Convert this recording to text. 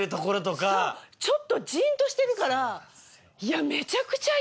そうちょっとジンとしてるから。